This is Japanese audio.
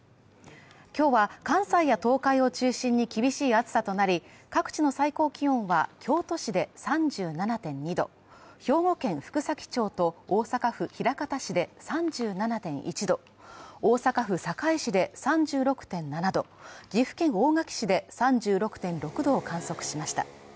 今日は関西や東海を中心に厳しい暑さとなり各地の最高気温は、京都市で３７．２度、兵庫県福崎町と大阪府枚方市で３７．１度大阪府堺市で３６．７度、岐阜県大垣市で３６．６度を観測しました。